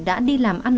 đã đi làm ăn